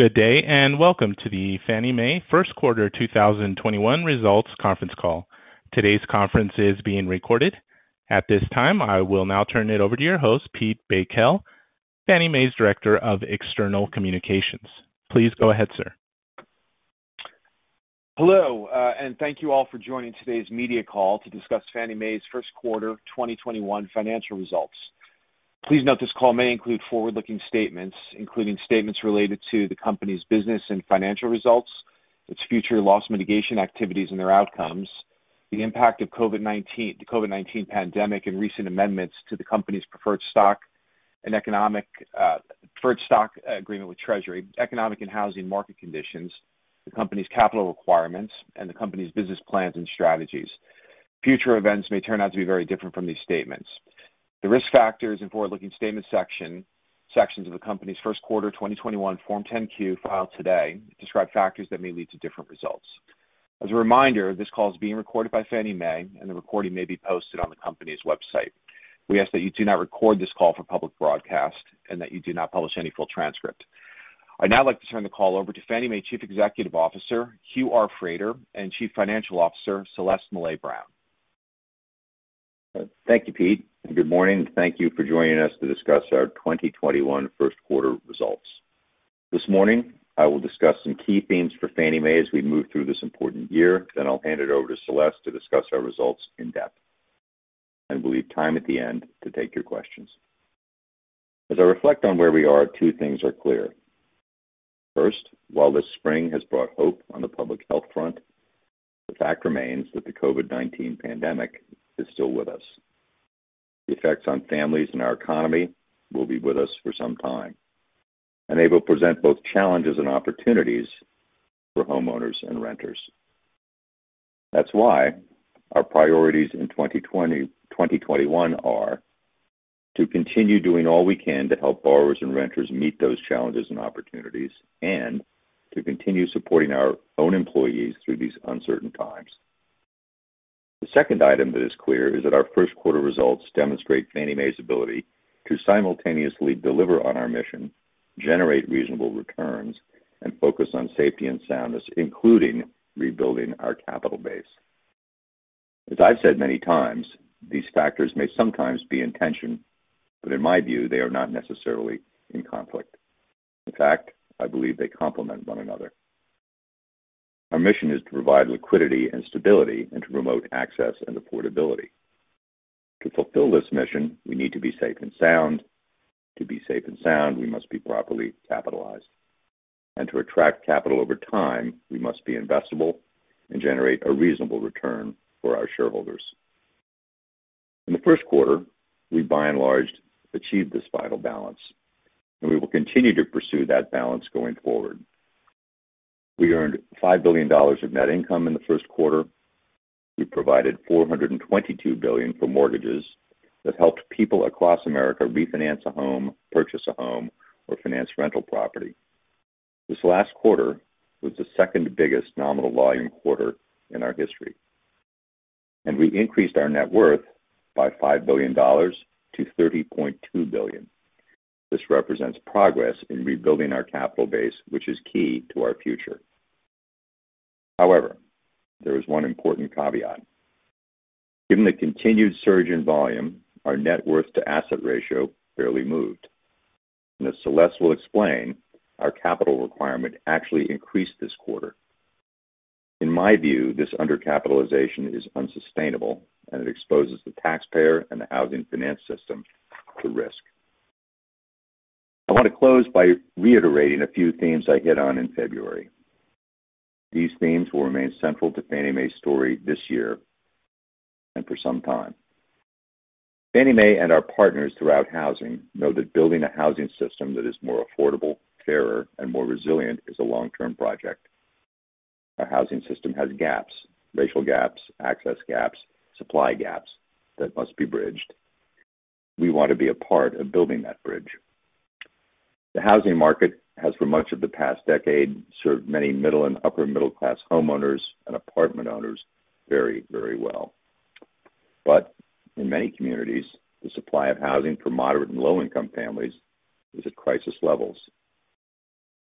Good day, and welcome to the Fannie Mae first quarter 2021 results conference call. Today's conference is being recorded. At this time, I will now turn it over to your host, Pete Bakel, Fannie Mae's Director of External Communications. Please go ahead, sir. Hello, and thank you all for joining today's media call to discuss Fannie Mae's first quarter 2021 financial results. Please note this call may include forward-looking statements, including statements related to the company's business and financial results, its future loss mitigation activities and their outcomes, the impact of the COVID-19 pandemic and recent amendments to the company's preferred stock agreement with Treasury, economic and housing market conditions, the company's capital requirements, and the company's business plans and strategies. Future events may turn out to be very different from these statements. The Risk Factors and Forward-Looking Statements sections of the company's first quarter 2021 Form 10-Q filed today describe factors that may lead to different results. As a reminder, this call is being recorded by Fannie Mae, and the recording may be posted on the company's website. We ask that you do not record this call for public broadcast and that you do not publish any full transcript. I'd now like to turn the call over to Fannie Mae Chief Executive Officer, Hugh R. Frater, and Chief Financial Officer, Celeste M. Brown. Thank you, Pete, and good morning, and thank you for joining us to discuss our 2021 first quarter results. This morning, I will discuss some key themes for Fannie Mae as we move through this important year. I'll hand it over to Celeste to discuss our results in depth. We'll leave time at the end to take your questions. As I reflect on where we are, two things are clear. First, while this spring has brought hope on the public health front, the fact remains that the COVID-19 pandemic is still with us. The effects on families and our economy will be with us for some time, and they will present both challenges and opportunities for homeowners and renters. That's why our priorities in 2021 are to continue doing all we can to help borrowers and renters meet those challenges and opportunities and to continue supporting our own employees through these uncertain times. The second item that is clear is that our first quarter results demonstrate Fannie Mae's ability to simultaneously deliver on our mission, generate reasonable returns, and focus on safety and soundness, including rebuilding our capital base. As I've said many times, these factors may sometimes be in tension, but in my view, they are not necessarily in conflict. In fact, I believe they complement one another. Our mission is to provide liquidity and stability and to promote access and affordability. To fulfill this mission, we need to be safe and sound. To be safe and sound, we must be properly capitalized. To attract capital over time, we must be investable and generate a reasonable return for our shareholders. In the first quarter, we by and large achieved this vital balance, and we will continue to pursue that balance going forward. We earned $5 billion of net income in the first quarter. We provided $422 billion for mortgages that helped people across America refinance a home, purchase a home, or finance rental property. This last quarter was the second-biggest nominal volume quarter in our history. We increased our net worth by $5 billion to $30.2 billion. This represents progress in rebuilding our capital base, which is key to our future. However, there is one important caveat. Given the continued surge in volume, our net worth to asset ratio barely moved. As Celeste will explain, our capital requirement actually increased this quarter. In my view, this undercapitalization is unsustainable, and it exposes the taxpayer and the housing finance system to risk. I want to close by reiterating a few themes I hit on in February. These themes will remain central to Fannie Mae's story this year and for some time. Fannie Mae and our partners throughout housing know that building a housing system that is more affordable, fairer, and more resilient is a long-term project. Our housing system has gaps, racial gaps, access gaps, supply gaps, that must be bridged. We want to be a part of building that bridge. The housing market has, for much of the past decade, served many middle and upper-middle-class homeowners and apartment owners very well. But in many communities, the supply of housing for moderate and low-income families is at crisis levels.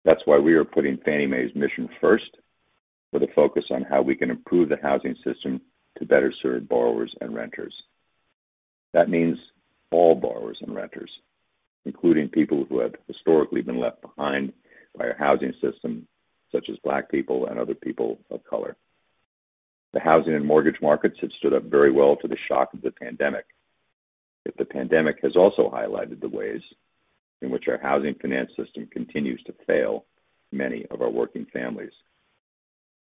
That's why we are putting Fannie Mae's mission first with a focus on how we can improve the housing system to better serve borrowers and renters. That means all borrowers and renters, including people who have historically been left behind by a housing system such as Black people and other people of color. The housing and mortgage markets have stood up very well to the shock of the pandemic. Yet the pandemic has also highlighted the ways in which our housing finance system continues to fail many of our working families.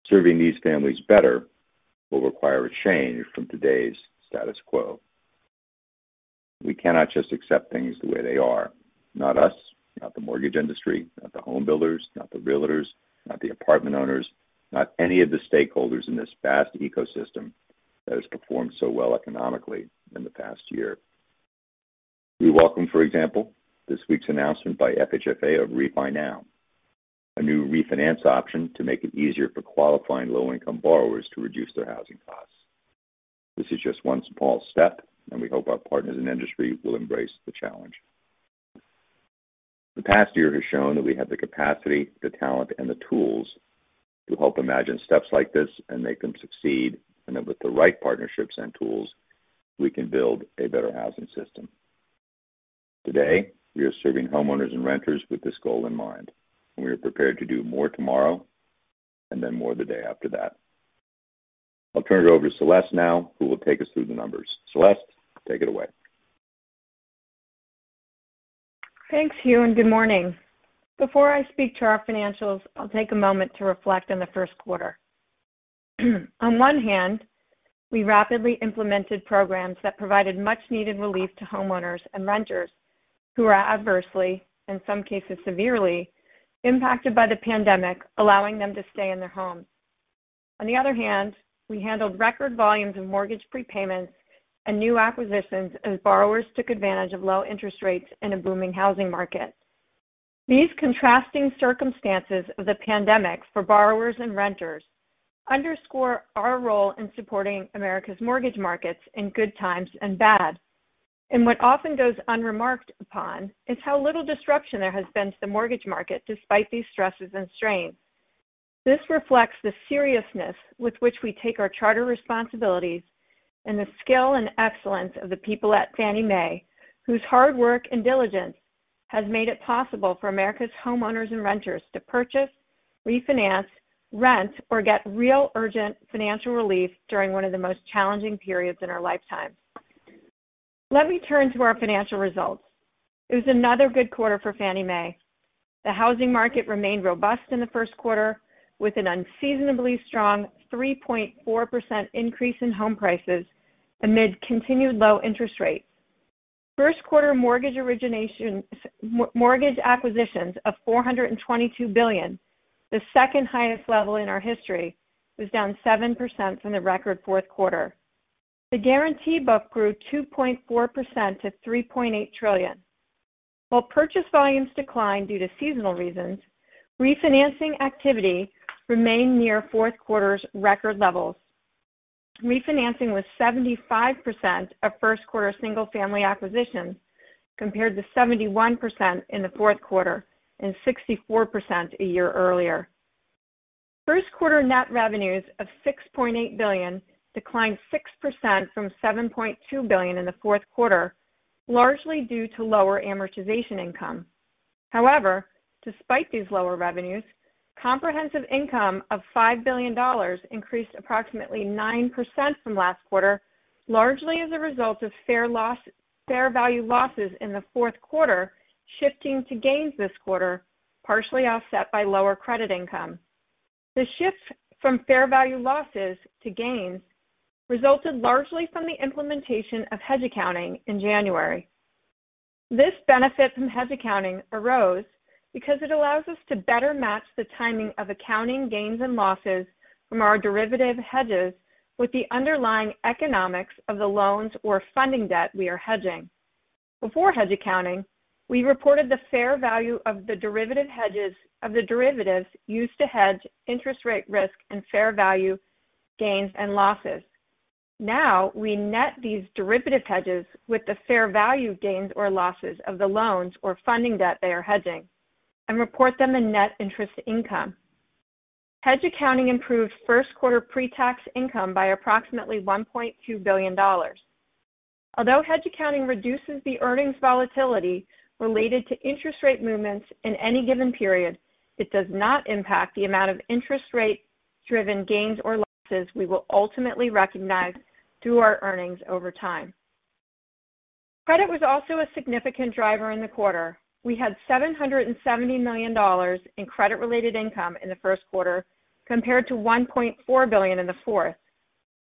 Serving these families better will require a change from today's status quo. We cannot just accept things the way they are. Not us, not the mortgage industry, not the home builders, not the realtors, not the apartment owners, not any of the stakeholders in this vast ecosystem that has performed so well economically in the past year. We welcome, for example, this week's announcement by FHFA of RefiNow, a new refinance option to make it easier for qualifying low-income borrowers to reduce their housing costs. This is just one small step, and we hope our partners in the industry will embrace the challenge. The past year has shown that we have the capacity, the talent, and the tools to help imagine steps like this and make them succeed, and that with the right partnerships and tools, we can build a better housing system. Today, we are serving homeowners and renters with this goal in mind, and we are prepared to do more tomorrow, and then more the day after that. I'll turn it over to Celeste now, who will take us through the numbers. Celeste, take it away. Thanks, Hugh. Good morning. Before I speak to our financials, I'll take a moment to reflect on the first quarter. On one hand, we rapidly implemented programs that provided much-needed relief to homeowners and renters who were adversely, in some cases severely, impacted by the pandemic, allowing them to stay in their homes. On the other hand, we handled record volumes of mortgage prepayments and new acquisitions as borrowers took advantage of low interest rates in a booming housing market. These contrasting circumstances of the pandemic for borrowers and renters underscore our role in supporting America's mortgage markets in good times and bad. What often goes unremarked upon is how little disruption there has been to the mortgage market despite these stresses and strains. This reflects the seriousness with which we take our charter responsibilities and the skill and excellence of the people at Fannie Mae, whose hard work and diligence has made it possible for America's homeowners and renters to purchase, refinance, rent, or get real, urgent financial relief during one of the most challenging periods in our lifetime. Let me turn to our financial results. It was another good quarter for Fannie Mae. The housing market remained robust in the first quarter with an unseasonably strong 3.4% increase in home prices amid continued low interest rates. First quarter mortgage acquisitions of $422 billion, the second highest level in our history, was down 7% from the record fourth quarter. The guarantee book grew 2.4% to $3.8 trillion. While purchase volumes declined due to seasonal reasons, refinancing activity remained near fourth quarter's record levels. Refinancing was 75% of first quarter single-family acquisitions, compared to 71% in the fourth quarter and 64% a year earlier. First quarter net revenues of $6.8 billion declined 6% from $7.2 billion in the fourth quarter, largely due to lower amortization income. Despite these lower revenues, comprehensive income of $5 billion increased approximately 9% from last quarter, largely as a result of fair value losses in the fourth quarter, shifting to gains this quarter, partially offset by lower credit income. The shift from fair value losses to gains resulted largely from the implementation of hedge accounting in January. This benefit from hedge accounting arose because it allows us to better match the timing of accounting gains and losses from our derivative hedges with the underlying economics of the loans or funding debt we are hedging. Before hedge accounting, we reported the fair value of the derivatives used to hedge interest rate risk and fair value gains and losses. Now, we net these derivative hedges with the fair value gains or losses of the loans or funding debt they are hedging and report them in net interest income. Hedge accounting improved first quarter pre-tax income by approximately $1.2 billion. Although hedge accounting reduces the earnings volatility related to interest rate movements in any given period, it does not impact the amount of interest rate-driven gains or losses we will ultimately recognize through our earnings over time. Credit was also a significant driver in the quarter. We had $770 million in credit-related income in the first quarter, compared to $1.4 billion in the fourth.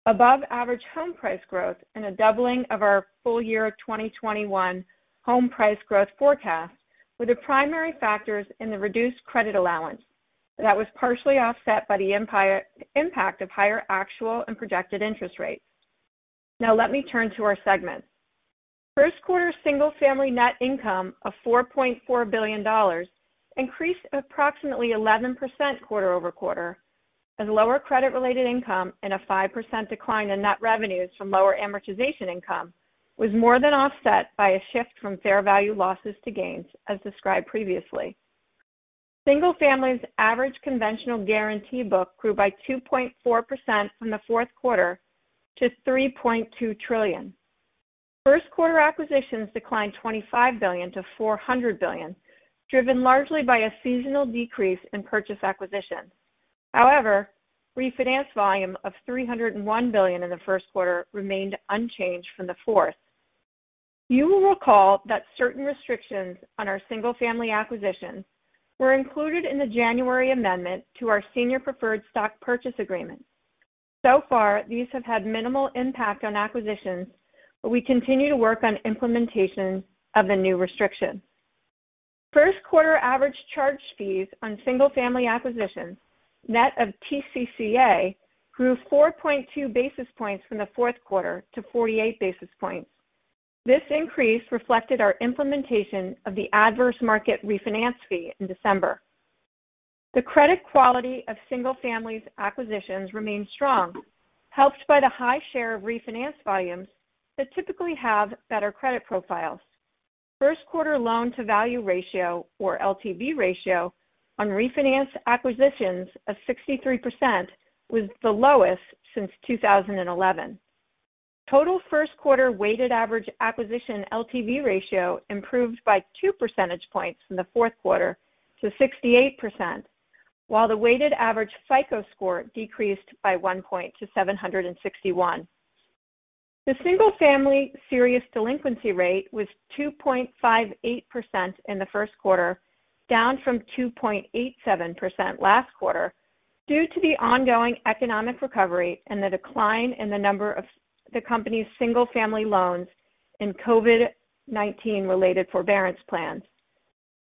Above-average home price growth and a doubling of our full year 2021 home price growth forecast were the primary factors in the reduced credit allowance. That was partially offset by the impact of higher actual and projected interest rates. Now let me turn to our segments. First quarter single-family net income of $4.4 billion increased approximately 11% quarter-over-quarter, as lower credit-related income and a 5% decline in net revenues from lower amortization income was more than offset by a shift from fair value losses to gains, as described previously. Single family's average conventional guarantee book grew by 2.4% from the fourth quarter to $3.2 trillion. First quarter acquisitions declined $25 billion to $400 billion, driven largely by a seasonal decrease in purchase acquisitions. However, refinance volume of $301 billion in the first quarter remained unchanged from the fourth. You will recall that certain restrictions on our single-family acquisitions were included in the January amendment to our Senior Preferred Stock Purchase Agreement. These have had minimal impact on acquisitions, but we continue to work on implementation of the new restrictions. First quarter average charge fees on single-family acquisitions, net of TCCA, grew 4.2 basis points from the fourth quarter to 48 basis points. This increase reflected our implementation of the Adverse Market Refinance Fee in December. The credit quality of single-family acquisitions remains strong, helped by the high share of refinance volumes that typically have better credit profiles. First quarter loan-to-value ratio, or LTV ratio, on refinance acquisitions of 63% was the lowest since 2011. Total first quarter weighted average acquisition LTV ratio improved by two percentage points from the fourth quarter to 68%, while the weighted average FICO score decreased by one point to 761. The single-family serious delinquency rate was 2.58% in the first quarter, down from 2.87% last quarter due to the ongoing economic recovery and the decline in the number of the company's single-family loans in COVID-19 related forbearance plans.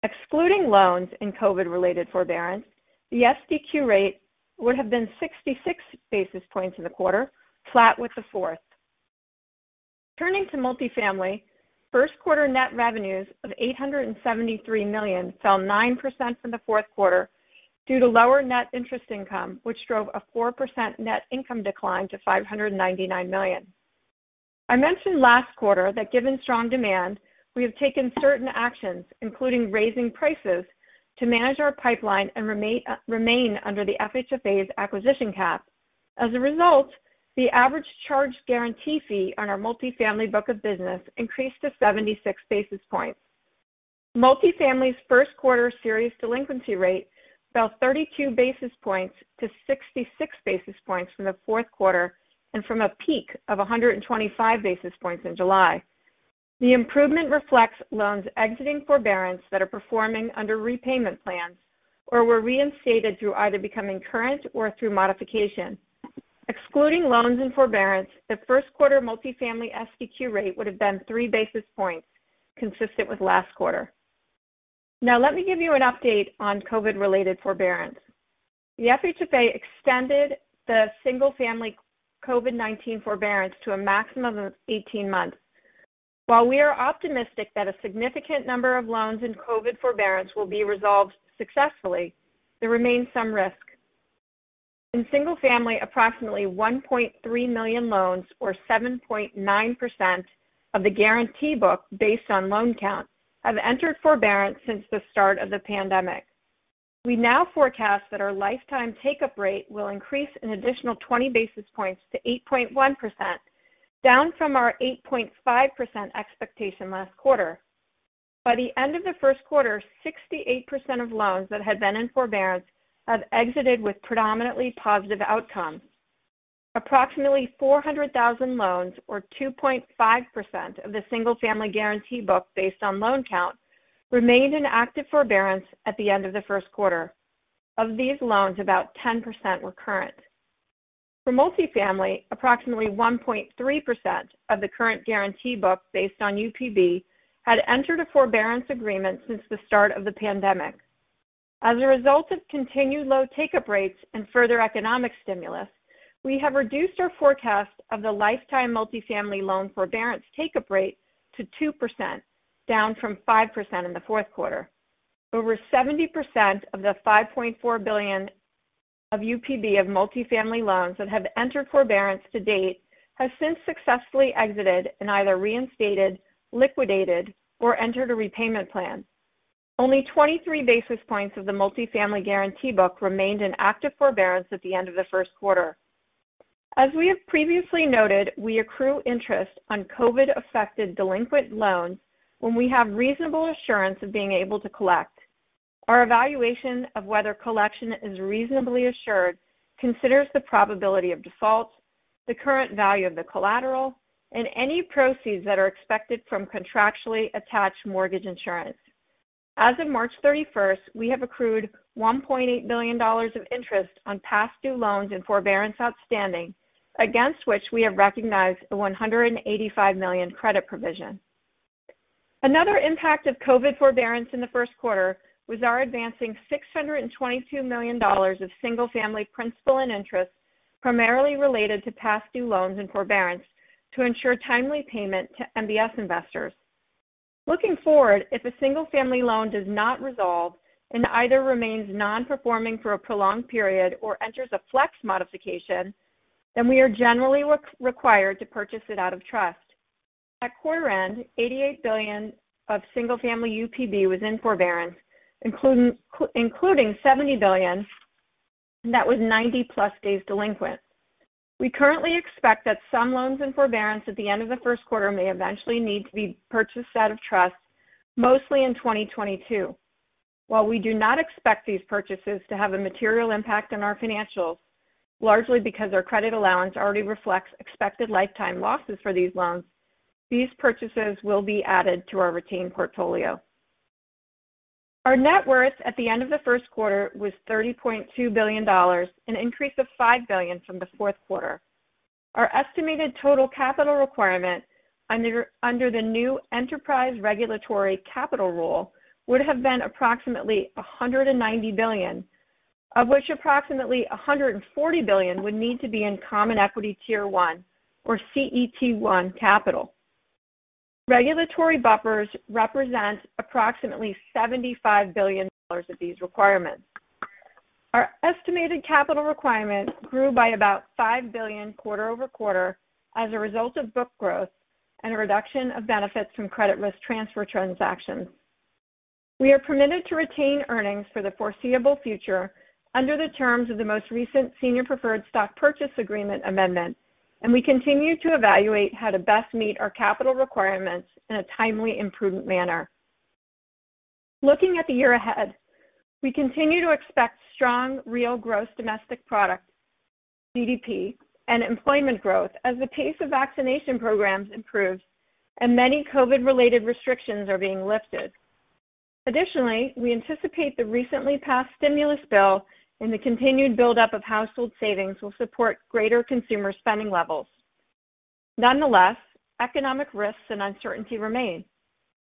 Excluding loans in COVID-19 related forbearance, the SDQ rate would have been 66 basis points in the quarter, flat with the fourth. Turning to multifamily, first quarter net revenues of $873 million fell 9% from the fourth quarter due to lower net interest income, which drove a 4% net income decline to $599 million. I mentioned last quarter that given strong demand, we have taken certain actions, including raising prices to manage our pipeline and remain under the FHFA's acquisition cap. As a result, the average charged guarantee fee on our multifamily book of business increased to 76 basis points. Multifamily's first quarter serious delinquency rate fell 32 basis points to 66 basis points from the fourth quarter, and from a peak of 125 basis points in July. The improvement reflects loans exiting forbearance that are performing under repayment plans or were reinstated through either becoming current or through modification. Excluding loans in forbearance, the first quarter multifamily SDQ rate would've been three basis points, consistent with last quarter. Now, let me give you an update on COVID related forbearance. The FHFA extended the single family COVID-19 forbearance to a maximum of 18 months. While we are optimistic that a significant number of loans in COVID forbearance will be resolved successfully, there remains some risk. In single-family, approximately 1.3 million loans, or 7.9% of the guarantee book based on loan count, have entered forbearance since the start of the pandemic. We now forecast that our lifetime take-up rate will increase an additional 20 basis points to 8.1%, down from our 8.5% expectation last quarter. By the end of the first quarter, 68% of loans that had been in forbearance have exited with predominantly positive outcomes. Approximately 400,000 loans, or 2.5% of the single-family guarantee book based on loan count, remained in active forbearance at the end of the first quarter. Of these loans, about 10% were current. For multifamily, approximately 1.3% of the current guarantee book based on UPB had entered a forbearance agreement since the start of the pandemic. As a result of continued low take-up rates and further economic stimulus, we have reduced our forecast of the lifetime multifamily loan forbearance take-up rate to 2%, down from 5% in the fourth quarter. Over 70% of the $5.4 billion of UPB of multifamily loans that have entered forbearance to date have since successfully exited and either reinstated, liquidated, or entered a repayment plan. Only 23 basis points of the multifamily guarantee book remained in active forbearance at the end of the first quarter. As we have previously noted, we accrue interest on COVID-affected delinquent loans when we have reasonable assurance of being able to collect. Our evaluation of whether collection is reasonably assured considers the probability of default, the current value of the collateral, and any proceeds that are expected from contractually attached mortgage insurance. As of March 31st, we have accrued $1.8 billion of interest on past due loans and forbearance outstanding, against which we have recognized a $185 million credit provision. Another impact of COVID forbearance in the first quarter was our advancing $622 million of single family principal and interest primarily related to past due loans and forbearance to ensure timely payment to MBS investors. Looking forward, if a single family loan does not resolve and either remains non-performing for a prolonged period or enters a Flex Modification, then we are generally required to purchase it out of trust. At quarter end, $88 billion of single family UPB was in forbearance, including $70 billion that was 90 plus days delinquent. We currently expect that some loans in forbearance at the end of the first quarter may eventually need to be purchased out of trust, mostly in 2022. While we do not expect these purchases to have a material impact on our financials, largely because our credit allowance already reflects expected lifetime losses for these loans, these purchases will be added to our retained portfolio. Our net worth at the end of the first quarter was $30.2 billion, an increase of $5 billion from the fourth quarter. Our estimated total capital requirement under the new Enterprise Regulatory Capital Framework would have been approximately $190 billion, of which approximately $140 billion would need to be in common equity tier1 or CET1 capital. Regulatory buffers represent approximately $75 billion of these requirements. Our estimated capital requirements grew by about $5 billion quarter-over-quarter as a result of book growth and a reduction of benefits from credit risk transfer transactions. We are permitted to retain earnings for the foreseeable future under the terms of the most recent Senior Preferred Stock Purchase Agreement amendment. We continue to evaluate how to best meet our capital requirements in a timely and prudent manner. Looking at the year ahead, we continue to expect strong real gross domestic product, GDP, and employment growth as the pace of vaccination programs improves and many COVID-related restrictions are being lifted. We anticipate the recently passed stimulus bill and the continued buildup of household savings will support greater consumer spending levels. Economic risks and uncertainty remain.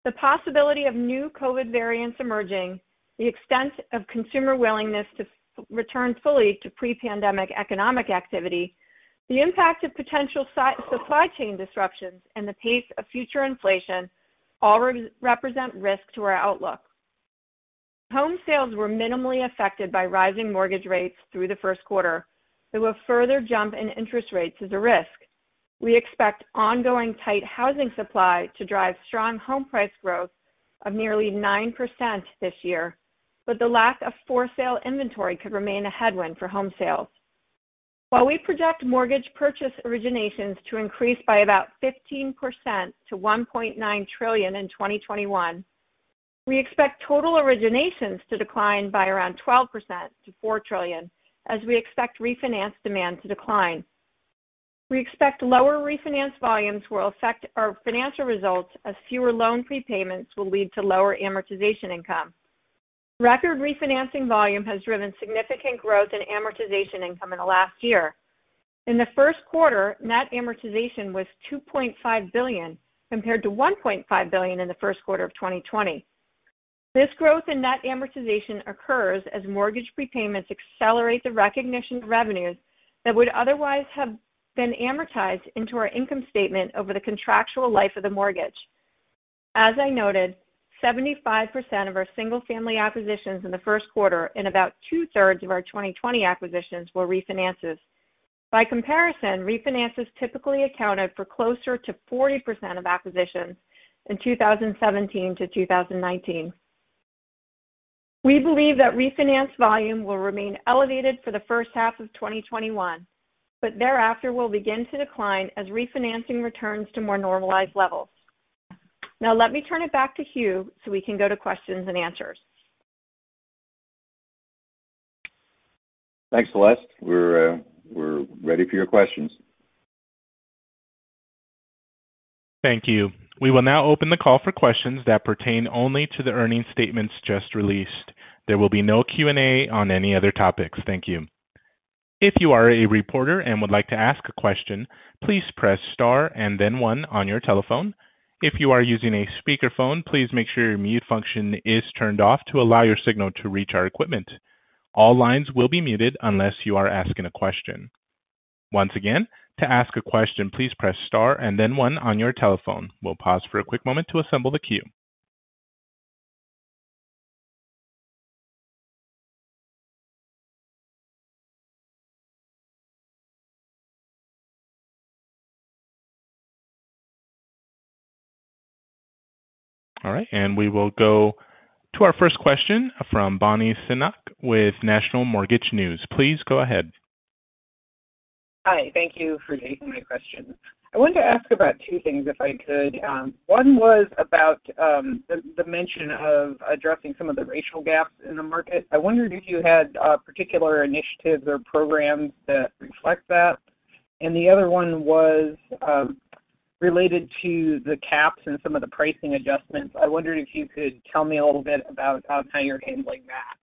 The possibility of new COVID variants emerging, the extent of consumer willingness to return fully to pre-pandemic economic activity, the impact of potential supply chain disruptions, and the pace of future inflation all represent risk to our outlook. Home sales were minimally affected by rising mortgage rates through the first quarter, though a further jump in interest rates is a risk. We expect ongoing tight housing supply to drive strong home price growth of nearly 9% this year, but the lack of for-sale inventory could remain a headwind for home sales. While we project mortgage purchase originations to increase by about 15% to $1.9 trillion in 2021, we expect total originations to decline by around 12% to $4 trillion, as we expect refinance demand to decline. We expect lower refinance volumes will affect our financial results as fewer loan prepayments will lead to lower amortization income. Record refinancing volume has driven significant growth in amortization income in the last year. In the first quarter, net amortization was $2.5 billion, compared to $1.5 billion in the first quarter of 2020. This growth in net amortization occurs as mortgage prepayments accelerate the recognition of revenues that would otherwise have been amortized into our income statement over the contractual life of the mortgage. As I noted, 75% of our single-family acquisitions in the first quarter and about two-thirds of our 2020 acquisitions were refinances. By comparison, refinances typically accounted for closer to 40% of acquisitions in 2017 to 2019. We believe that refinance volume will remain elevated for the first half of 2021, but thereafter will begin to decline as refinancing returns to more normalized levels. Now, let me turn it back to Hugh so we can go to questions and answers. Thanks, Celeste. We're ready for your questions. Thank you. We will now open the call for questions that pertain only to the earning statements just released. There will be no Q&A on any other topics. Thank you. If you are a reporter and would like to ask a question, please press star and then one on your telephone. If you are using a speakerphone, please make sure your mute function is turned off to allow your signal to reach our equipment. All lines will be muted unless you are asking a question. Once again, to ask a question, please press star and then one on your telephone. We'll pause for a quick moment to assemble the queue. All right, and we will go to our first question from Bonnie Sinnock with National Mortgage News. Please go ahead. Hi. Thank you for taking my question. I wanted to ask about two things if I could. One was about the mention of addressing some of the racial gaps in the market. I wondered if you had particular initiatives or programs that reflect that. The other one was related to the caps and some of the pricing adjustments. I wondered if you could tell me a little bit about how you're handling that.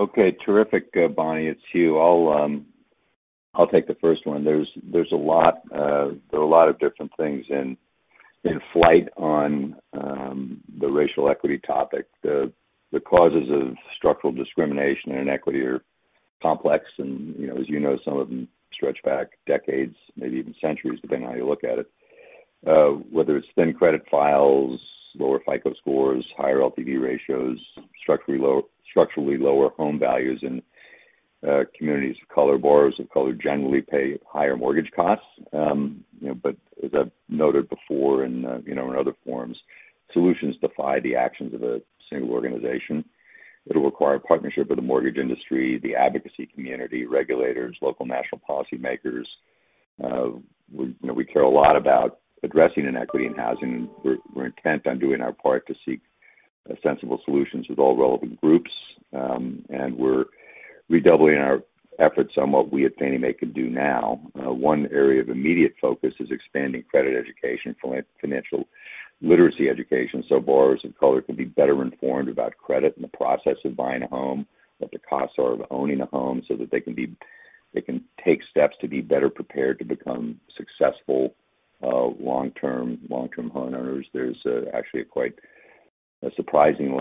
Okay. Terrific, Bonnie. It's Hugh. I'll take the first one. There are a lot of different things in flight on the racial equity topic. The causes of structural discrimination and inequity are complex and as you know, some of them stretch back decades, maybe even centuries, depending on how you look at it. Whether it's thin credit files, lower FICO scores, higher LTV ratios, structurally lower home values in communities of color, borrowers of color generally pay higher mortgage costs. As I've noted before in other forums, solutions defy the actions of a single organization. It'll require partnership with the mortgage industry, the advocacy community, regulators, local national policymakers. We care a lot about addressing inequity in housing. We're intent on doing our part to seek sensible solutions with all relevant groups, and we're redoubling our efforts on what we at Fannie Mae can do now. One area of immediate focus is expanding credit education, financial literacy education, so borrowers of color can be better informed about credit and the process of buying a home, what the costs are of owning a home so that they can take steps to be better prepared to become successful long-term homeowners. There's actually a quite a surprising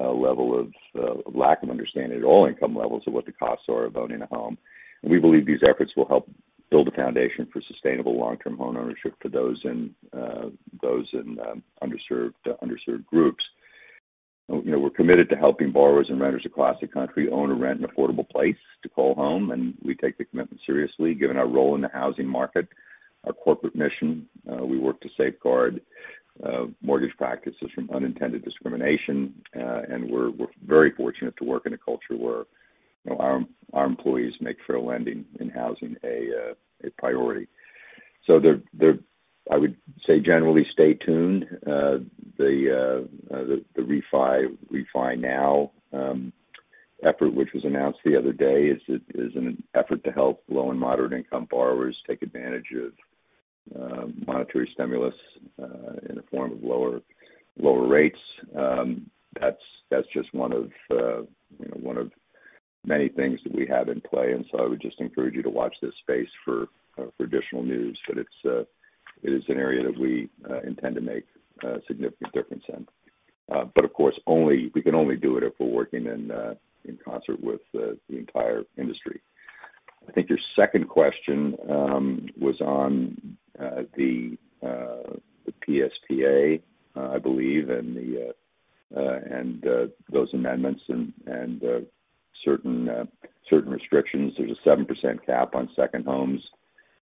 level of lack of understanding at all income levels of what the costs are of owning a home. We believe these efforts will help build a foundation for sustainable long-term homeownership for those in underserved groups. We're committed to helping borrowers and renters across the country own or rent an affordable place to call home. We take the commitment seriously, given our role in the housing market, our corporate mission. We work to safeguard mortgage practices from unintended discrimination. We're very fortunate to work in a culture where our employees make fair lending in housing a priority. I would say, generally, stay tuned. The RefiNow effort, which was announced the other day, is an effort to help low and moderate-income borrowers take advantage of monetary stimulus in the form of lower rates. That's just one of many things that we have in play. I would just encourage you to watch this space for additional news. It is an area that we intend to make a significant difference in. Of course, we can only do it if we're working in concert with the entire industry. I think your second question was on the PSPA, I believe, and those amendments, and certain restrictions. There's a 7% cap on second homes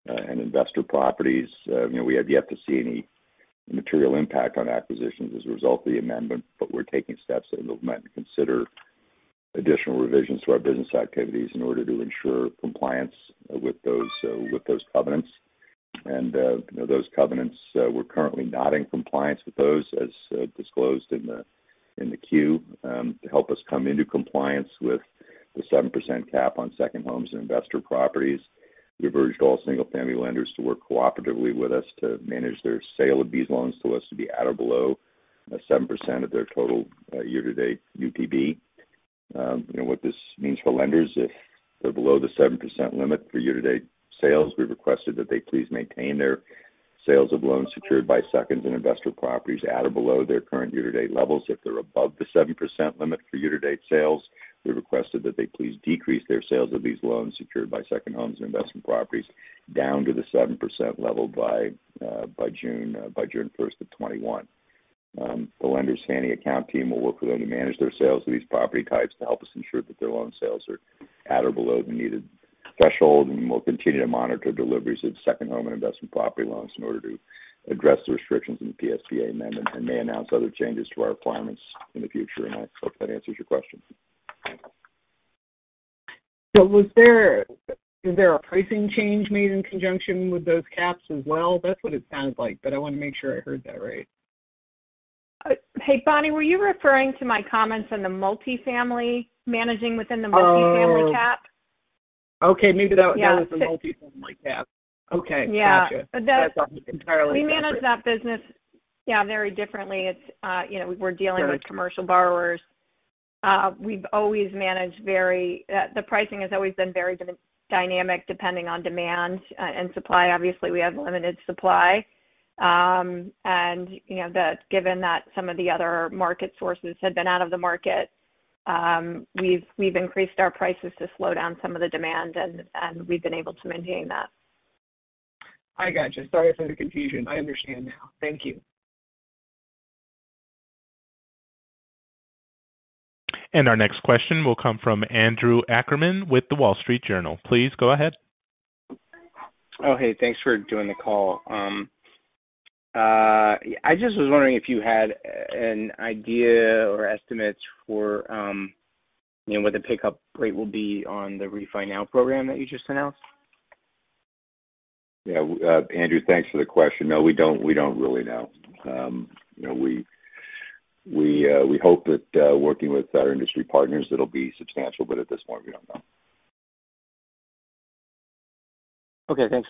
and investor properties. We have yet to see any material impact on acquisitions as a result of the amendment, but we're taking steps that we might consider additional revisions to our business activities in order to ensure compliance with those covenants. Those covenants, we're currently not in compliance with those, as disclosed in the Q. To help us come into compliance with the 7% cap on second homes and investor properties, we've urged all single-family lenders to work cooperatively with us to manage their sale of these loans to us to be at or below 7% of their total year-to-date UPB. What this means for lenders, if they're below the 7% limit for year-to-date sales, we've requested that they please maintain their sales of loans secured by seconds and investor properties at or below their current year-to-date levels. If they're above the 7% limit for year-to-date sales, we've requested that they please decrease their sales of these loans secured by second homes and investment properties down to the 7% level by June 1st of 2021. The lender's Fannie account team will work with them to manage their sales of these property types to help us ensure that their loan sales are at or below the needed threshold. We'll continue to monitor deliveries of second home and investment property loans in order to address the restrictions in the PSPA amendment and may announce other changes to our requirements in the future. I hope that answers your question. Was there a pricing change made in conjunction with those caps as well? That's what it sounds like, but I want to make sure I heard that right. Hey, Bonnie, were you referring to my comments on managing within the multifamily cap? Oh, okay. Maybe that was the multifamily cap. Yeah. Okay. Gotcha. Yeah. That's entirely separate. We manage that business very differently. We're dealing with commercial borrowers. The pricing has always been very dynamic, depending on demand and supply. Obviously, we have limited supply. Given that some of the other market sources have been out of the market, we've increased our prices to slow down some of the demand, and we've been able to maintain that. I gotcha. Sorry for the confusion. I understand now. Thank you. Our next question will come from Andrew Ackerman with The Wall Street Journal. Please go ahead. Oh, hey. Thanks for doing the call. I just was wondering if you had an idea or estimates for what the pickup rate will be on the RefiNow program that you just announced? Yeah. Andrew, thanks for the question. No, we don't really know. We hope that working with our industry partners, it'll be substantial, but at this point, we don't know. Okay, thanks.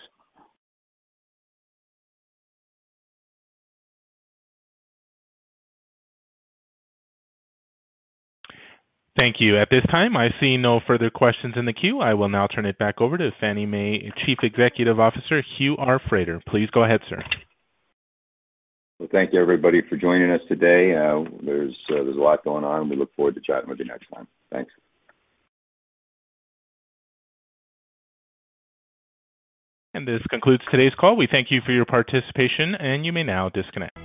Thank you. At this time, I see no further questions in the queue. I will now turn it back over to Fannie Mae Chief Executive Officer, Hugh R. Frater. Please go ahead, sir. Well, thank you, everybody, for joining us today. There's a lot going on. We look forward to chatting with you next time. Thanks. This concludes today's call. We thank you for your participation, and you may now disconnect.